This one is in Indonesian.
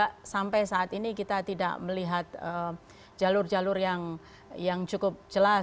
karena sampai saat ini kita tidak melihat jalur jalur yang cukup jelas